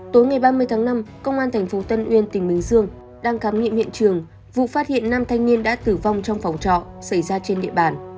tối ngày ba mươi tháng năm công an tp tân uyên tỉnh bình dương đang khám nghiệm hiện trường vụ phát hiện năm thanh niên đã tử vong trong phòng trọ xảy ra trên địa bàn